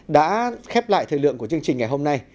đã khép lại thời lượng của chương trình ngày hôm nay